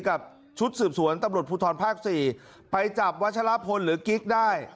กับชุดสืบสวนตำรวจภูทรภาค๔ไปจับวัชลพลหรือกิ๊กได้